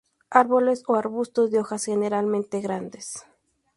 Árboles o arbustos de hojas generalmente grandes.